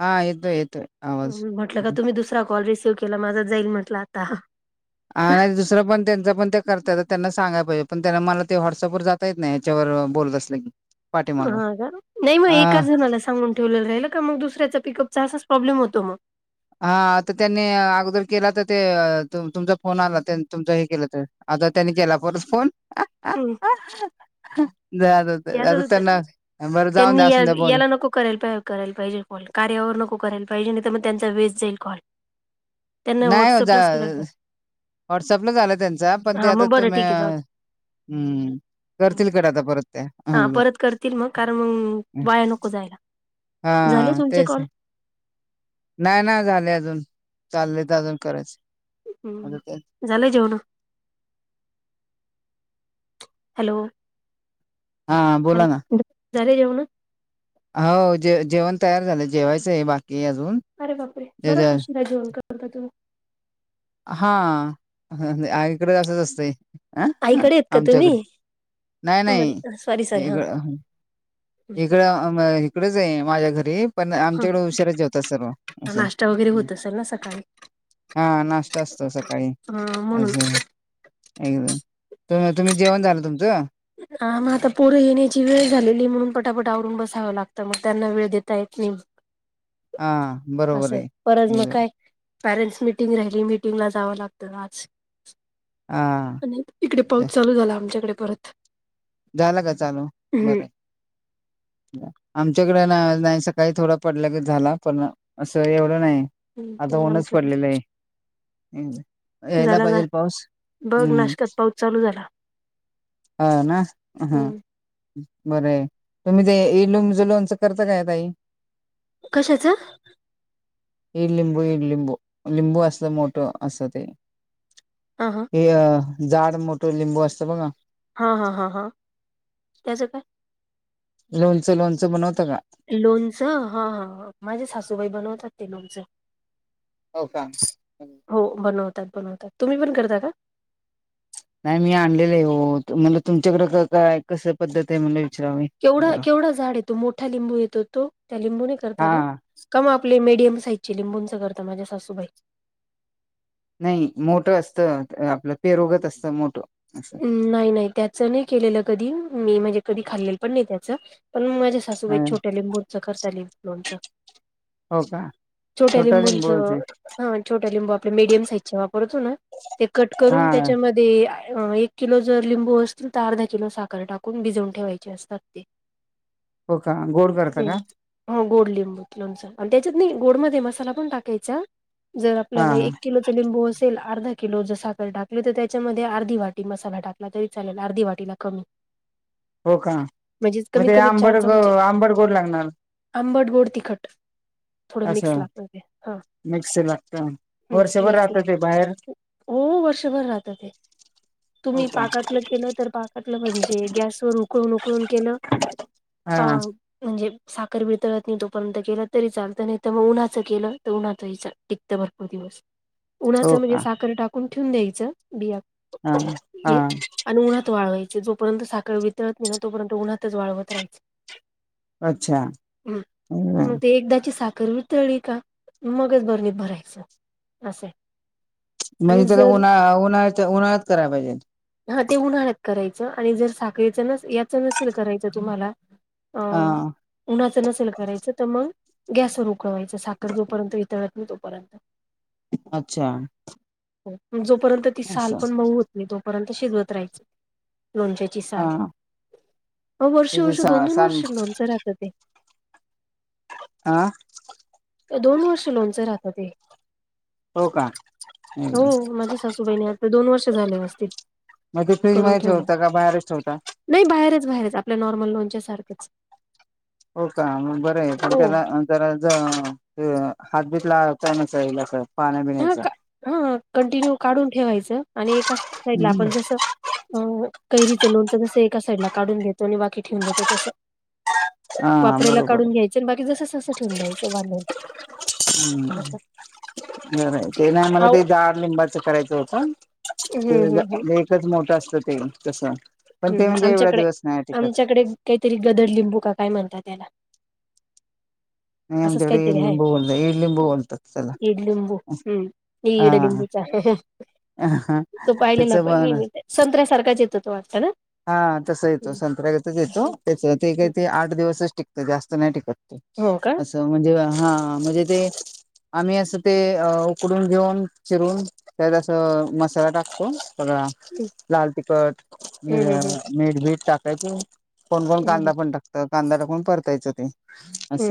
हा येतोय येतोय आवाज. म्हटलं का तुम्ही दुसरा कॉल रिसीव्ह केला माझात जाईल म्हटला आत आज तरी पण त्यांचं पण ते करताय तर त्यांना सांगाय पाहिजे पण त्यांना मला ते व्हॉट्सअपवर जाता येत नाही याच्यावर बोलत असलं की पाठीमाग हा का नाही मग अ एकाच जणाला सांगून ठेवलेलं राहिलं का मग दुसऱ्याचा पिकअप चा असाच प्रॉब्लेम होतो मग हा आता त्यांनी अगोदर केला तर ते तुमचा फोन आला तुमच हे केलं तर आता त्यांनी केला परत फोन हम द आ आता त्यांना बरं जाऊन द्या त्यांनी या असून द्या बोल याला नको करायला पा करायला पाहिजे कॉल कार्यावर नको करायला पाहिजे नाही तर मग त्यांचा वेस्ट जाईल कॉल त्यांना नाही ओ जा व्हॉट्सअपलाच करायला पाहिजे वॉट्सअपला झालं त्यांच पण ते हा आता मग बरं तुम्ही ठीक आहे जाऊ हम्म द्या करतील कड आता परत हा परत करतील मग कारण मग वाया नको जायला झाले हा तुमचे तेच कॉल आहे नाही ना झाले अजून चाललेत अजून करायच हम्म झालंय जेवण हॅलो, हा बोला ना, झाली जेवणं. हो जे जेवण तयार झालं जेवायचं आहे बाकी अजून. अरे बापरे! जे- बराच जे- उशिरा जेवन करत का तुम्ही. हा, आईकडे असच असतेय. अ हा आईकडे आहेत का तुम्ही आमच्याकडे नाही नाही सॉरी सॉरी हा वेगळ. इकडं ह म इकडेच आहे माझ्या घरी पण आमच्याकडें उशरा जेवतात सर्व. असं नाश्ता वगैरे होत असेल ना सकाळी. हा, नाश्ता असतो सकाळी हा म्हणून अजही. एकदम तुम तुम्ही जेवण झालं तुमचं? ह मग आता पोरं येण्याची वेळ झालेली म्हणून पटापट आवरून बसावं लागतं मग त्यांना वेळ देता येत नाही. हा बरोबर असाय आहे परत मग एकदम काय? पॅरेंट्स मिटिंग राहिली मिटिंग ला जावं लागतं आज. हा आणि इकडे पाऊस चालू झाला आमच्याकडे परत. झाला का चालू हम्म बरं. आमच्याकडे नाही आज नाही सकाळी थोडा पडल्यागत झाला पण असं एवढं नाही. आता ऊनच आमच्याकडे पडलेलं आहे इ जा. यायला झाला ना पाहिजेल पाऊस बघ हम्म! नाशकात पाऊस चालू झाला ह ना. हा, बर आहे तुम्ही ते ईडलिंबूचा लोनचं करता काय तई? कशाचं? [inaudible] ईडलिंबू ईडलिंबू लिंबू असलं मोठं असं ते. आ, ''हां ''हां'' हे जाड मोठं लिंबू असतं बघा. ''हां'' हां ''हां'' हां'' त्याचं काय? लोणचं लोणचं बनवतं का? लोणचं हा हा हा, माझे सासूबाई बनवतात ते लोणचं. हो का? हो बनवतात बनवतात तुम्ही पण करता का? नाही मी आणलेलं आहे हो म्हण तुमच्याकडे काय कस पद्धत आहे म्हणलं विचारावी. केवढा केवढा झाड येतो मोठा लिंबू येतो तो त्या लिंबू ने करता का? हा का, म आपले मीडियम साईजची लिंबूंचं करत माझ्या सासूबाई. नाही मोठं असत आपलं पेरोगत असतं मोठं. नाही नाही त्याच नाही केलेलं कधी मी म्हणजे कधी खाल्लेलं पण नाही त्याच पण माझ्या सा''--'' सासुबाई छोट्या लिंबूं च करता लिं लोणचं. हो का, छोट्या छोटा लिंबूच लिंबूंचं हा, छोट्या लिंबू आपले मीडियम साईज वापरतो ना. ते कट हा करून त्याच्यामध्ये आ ए. किलो जर लिंबू असतील तर अर्धा किलो साखर टाकून भिजवून ठेवायचे असतात ते. हो का, गोड करता हं. का? हो गोड लिंबूच लोणच आणि त्याच्यात नाही गोड मध्ये मसाला पण टाकायचा. जर हा आपल्याला एक किलोच लिंबू असेल अर्धा किलो जर साखर टाकली तर त्याच्यामध्ये अर्धी वाटी. मसाला टाकला तरी चालेल अर्धी वाटीला कमी. हो का, म्हणजे मग कमीत ते कमी चार आंबड ग चमचे आंबड गोड लागणार. आंबट, गोड, तिखट. थोड मिक्स असं लागत ते हा मिक्स लागतं हम् वर्षभर मिक्स राहत ते बाहेर लागत. हो वर्षभर राहत ते. [unintelligible] तुम्ही पाकातल केल तर पाकातल म्हणजे गॅसवर उप उकळून उकळून केल पा हा म्हणजे साखर वितळत नाही तोपर्यंत केला तरी चालत. नाही तर मग उन्हाच केल तर उन्हाचही टिकत भरपूर दिवस. उन्हाच हो म्हणजे का साखर टाकून ठेवून द्यायच बि हा हा. आणि उन्हात वाळवायच जोपर्यंत साखळ वितरत नाही ना तोपर्यंत उन्हातच वाळवत राहायच. अच्छा ह मग म्हणजे ते एकदाची साखरपण वितळी का मगच बरणित भरायच अस. म्हणजे त्याला उन्हाळा उन्हाळ्यात उन्हाळ्यात करायला पाहिजे. हा ते उन्हाळ्यात करायच आणि जर साखरीच नस याच नसेल करायच तुम्हाला. अ हा उन्हाच नसेल करायच तर मग. गॅसवर उकळवायच साखर जोपर्यंत वितळत नाही तोपर्यंत. अच्छा जोपर्यंत ती साल असं पण मऊ आणि तोपर्यंत शिजवत राहायच लोण. हा साल आहो वर्ष त्याचे वर्ष सा दोन दोन सान वर्ष लोनच राहत ते. आ दोन वर्ष लोनच राहतात ते. हो का हो माझ्या सासूबाईणी असता दोन वर्ष झाल्ये असतील. मग ते फ्रीज करून मध्ये ठेवलंय. ठेवता का बाहेरच ठेवता. नाही बाहेरच बाहेरच आपल्या नॉर्मल लोनच्या सारखच. हो का मग बर ये पण हो. त्याला. जर ज हात बीतला काण्याचा येईल अस पाण्या हां, बिण्याच. का हां, कंटिन्यू काढून ठेवायच आणि एका साईड ला आपण जस कैरी. च लोणच कस एका साइड ला काढून घेतो आणि बाकी ठेवून देतो तस. हा वापरायला बरोबर काढून घ्यायच आणि बाकी जस तस ठेवून द्यायच बांधून. असं. हम्म. बर ते ना आम्हाला अहो ते जाड लिंबाच करायच होत हं, ते. हं, हं, तेच मोठ असत ते तस पण हं, ते हं. म्हणजे एवढा आमच्याकडे दिवस नाही टिकत. आमच्याकडे काहीतरी गदडलिंबू का काय म्हणतात त्याला. नाही असच आमच्याकडे ईड काहीतरी हाय लिंबू बोलत ईड लिंबू बोलतात त्याला इड लिंबू हम्म. ई हा इडलिंबूचा. तो त्याच पाहिलेला ना प बन मी संत्र्यासारखाच येतो तो वाटता ना. हा तस येतो संत्र्यागतच येतो. त्याच ते काही ते आठ दिवसच टिकत जास्त नाही टिकत ते. हो का. म्हणजे हा हा म्हणजे ते. आम्ही अस ते उकडून घेऊन चिरून तयार असत. अस मसाला टाकतो सगळा लाल तिखट मिर्या मीठ बिट टाकायच कोण कोण कांदा पण टाकत कांदा टाकून परतायच ते. अस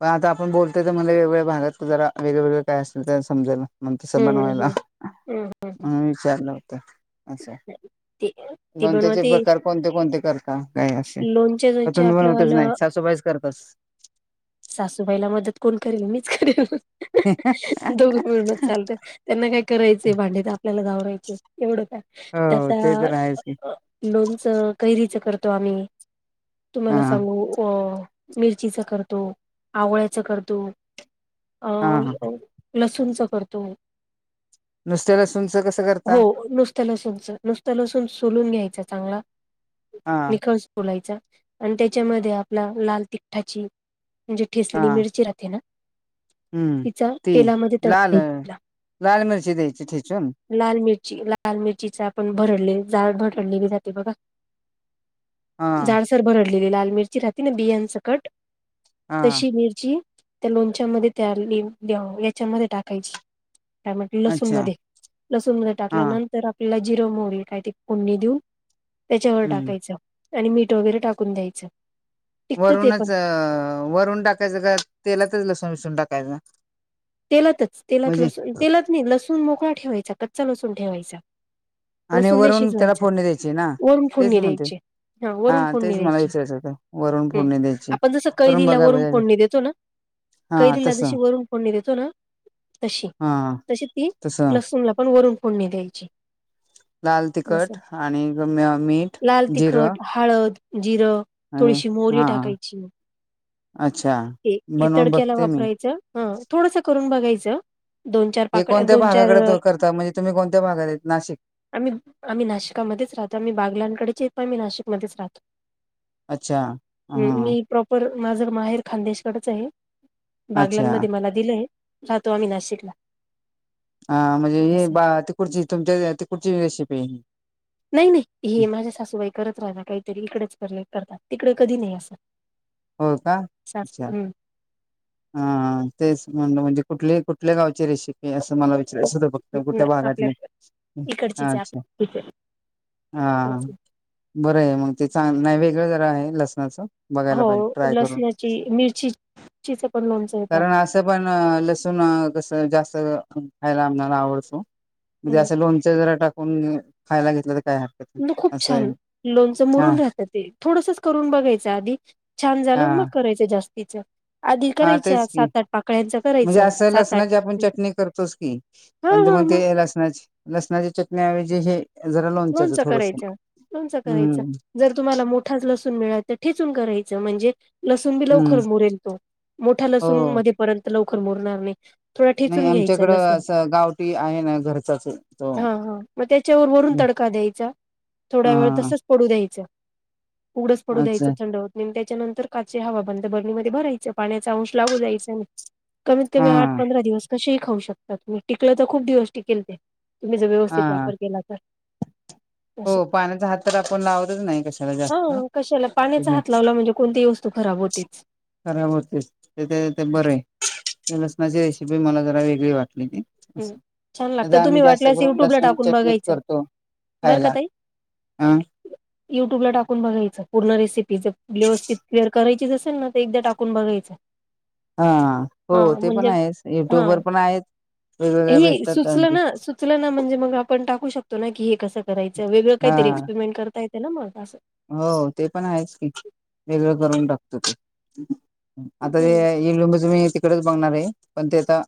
पण आता आपण बोलतय तर मला वेगवेगळ्या भागात जरा वेगळवेगळळे काय असल तर समजेल ना तस बनवायला म्हणून विचारलं होत. अच्छा ते ती ती लोणच्याचे बनवते प्रकार कोणते कोणते करता काय असे लोणच्या तर लोणच्या तुम्ही बणवतच नाही आपल्यावालं सासुबाईच करता सासूबाईला मदत कोण करेल मीच करेल दोघ मिळूनच चालत. त्यांना काय करायचं भांडे तर आपल्याला आवरायचे एवढं काय हो तर ते आहेच आत लोनच कैरीच करतो आम्ही हा तुम्हाला सांगू अ मिरचीच करतो आवळ्याचं करतो अ हा लसूणचं करतो. नुसत्या लसूणच कसं करता. नुसत्या लसूच नुसतं लसून सलून घ्यायचं चांगला हा निख बोलायचा आणि त्यांच्यामध्ये आपला लाल तिखठाची म्हणजे ठिसली हा मिरची राहतेे ना हम्म तिचा ती तेलामध्ये लाल तडका द्यायचा. लाल मिरची द्यायची ठेचून लाल मिरची लाल मिरचीचा आपण भरडले जाड भरडलेली राहती बघा हा झाडसर भरडलेली लाल मिरची राहते ना बियांसकट हा तशी मिरची त्या लोणच्यामध्ये त्यांच्यामध्ये टाकायची त्यामध्ये लसूण अच्छा मध्ये लसूण मध्ये हा टाकल्यानंतर आप ला जिर मोहरी काय ते फोडणी देऊन त्यांच्यावर हम्म टाकायचं आणि मीठ वगैरे टाकून द्यायचं टिकतं ते वरूनच पण वरून टाकायचं का तेलातच लसूण बिसून टाकायचं तेलातच तेलात म्हणजे लसूण तेलात नाही लसूण मोकळा ठेवायचा कच्चा लसूण ठेवायचा आणि लसूण नाही वरून त्याला शिजवायंचा फोडणी द्यायची ना वरून तेच फोडणी म्हणते द्यायची हा वरून फोनणी तेच मला द्यायची विचारायचं होतं वरून हम्म फोडणी द्यायची आपण जसं करून कैरीला बघा वरून बे फोडणी देतो ना हा कैरीला जशी तसं वरून फोडणी देतो ना अ तशी हा तशी ती तसं लसून ला पण वरून फोडणी द्यायची लाल तिखट असं आणि म मीठ लाल जिर तिखट हळद जिर थोडीशी मोरी हा टाकायची अच्छा हे बनवून तडक्याला बघते मी वापरायचं ह थोडसं करून बघायचं दोन चार हे पाकड कोणत्या दोन चार भागाकडे करतात म्हणजे तुम्ही कोणत्या भागात आहेत नाशिक आम्ही आम्ही नाशिकामध्येच राहतो आम्ही बागलाकडेचे पण आम्ही नाशिकमध्येच राहतो अच्छा हा मी प्रॉपर माझं माहेर खानदेशकडच आहे अच्छा बागलांमध्ये मला दिलंय राहतो आम्ही नाशिकला हा म्हणजे हे असं बा तिकुडची तुमच्या तिकुडची रेसिपी नाही नाही हे माझ्या सासूबाई करत राहित काहीतरी इकडेच करतात तिकडे कधी नाही असं हो का सासू अच्छा हा तेच म्हण म्हणजे कुठले कुठल्या गावाची रेसिपी असं मला फक्त हम्म कुठल्या भागातले आपल्या हा इकडचीच आहे अच्छा आपली हा बरं आहे मग ते चांगलं नाही वेगळं जरा आहे लसणाचं बघायला हो पाहिजे ट्राय करून लसणाची मिरचीचीच पण लोंणच येत आप कारण असं पण लसूण कस जास्त खायला आम्हणाला आवडतो म्हणजे असं लोणच जरा टाकून खायला घेतलं तर काय हरकत नाही. न खूप असं आहे छान लोणचं हा मुरून राहतं ते थोडसच करून बघायचं आधी छान झालं हा मग करायचं जास्तीच आधी हा करायच्या तेच की सात आठ पाकळ्यांचं म्हणजे करायचं असं सात आठ लसणाची आपण चटणी करतोस की हा पण ते हा मग ते लसणाची लसणाची चटणी एवजी हे जरा लोणच्याच लोणचं थोडस करायचं लोणचं करायचं हम्म. जर तुम्हाला मोठाच लसूण मिळाल तर ठेचून करायचं म्हणजे लसूून बी हम्म लवकर मुरेल तो मोठ्या लसूण हो मध्ये पर्यंत लवकर मुरणार नाही. थोडा नाही ठचून घ्यायच आमच्याकडं लसूण असं गावठी आहे ना घरचाच तो हा हा मग त्याच्यावर वरून तडका द्यायचा. थोड वेळ हा तसच पडू द्यायच घडच पडू अच्छा द्यायचं थंड हो त आणि त्याच्यानंतर काचे हवा बंद बरनीमध्ये भरायचं पाण्याचा अंश लागू द्यायचा नाही. कमीत कमी आठ हा पंधरा दिवस कसेही खाऊ शकतात तुम्ही टिकलं तर खूप दिवस टिकेल ते तुम्ही जर व्यवस्थित हा वापर केला तर अस हो पाण्याचा हात तर आपण लावतच नाही कशाला हा जास्त कशाला पाण्याचा हात लावला म्हणजे कोणतीही वस्त तू खराब होतेच. खराब होता ते ते ते बर आहे लसणाची रेसिपी मला जरा वेगळी वाटली ती, असं हम छान नाही तर लागते आम्ही तुम्ही जास्त वाटलंस करून युट्युब ला लसूण टाकून चटणीच बघायच करतो बर का खायला. तई अ युट्यूबला टाकून बघायचं पूर्ण रेसिपी जर व्यवस्थित क्लिअर करायचीच असेल ना तर एकदा टाकून बघायचं. हा हो हा ते पण म्हणजे आहेच युट्युब हा वर पण आहे, वेगवेगळ्या भेटतात आणखी च ना म्हणजे मग आपण टाकू शकतो ना की हे कसं करायचं वेगळ काहीतरी हा. एक्स्पेरिमेंट करतायेत ना मग असं. हो ते पण आहेच की वेगळं करून टाकतो ते, आता हे हम्म. [unintelligible] यू ट्यूब वरच बगणार हाय पण ते आता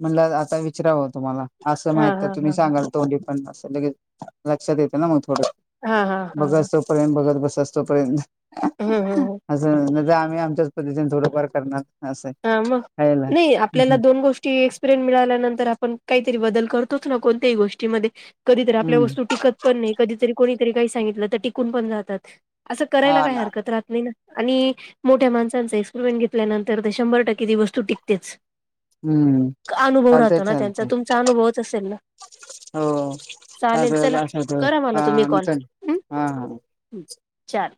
म्हणलं आता विचारावं तुम्हाला असं माहित हां, तर हां, तुम्ही हां, हां. सांगाल तोंडी पण असं लगेच लक्षात येते ना मग थोडं, हां, हां, हां, बघसं हां. तोपर्यंत बघत बसस तोपर्यंत. हं, हं, हं. असं नाही तर आम्ही आमच्याच पद्धतीने थोडंफार करणार. असं हा मग खायला. नाही आपल्याला हम्म दोन गोष्टी एक्स प्रेन मिळाल्यानंतर आपण काहीतरी बदल करतोच ना कोणत्याही गोष्टीमध्ये कधीतरी आपल्या हम्म. वस्तू टिकत पण नाही कधीतरी कोणीतरी काही सांगितलं तर टिकून पण जातात असं करायला हा काही ना. हरकत राहत नाही ना. आणि मोठ्या माणसांचा एक्सपरिमेंट घेतल्यानंतर ते शंभर टक्के ती वस्तू टिकतेच. हम्म अनुभव चालतय राहतो ना त्यांचा चालतय तुमचा अनुभवच असेल ना. हो हो [unintelligible] चालेल चला आणि करा हा हा ह चार,